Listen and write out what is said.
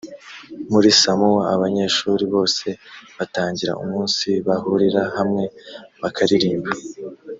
muri samowa abanyeshuri bose batangira umunsi bahurira hamwe bakaririmba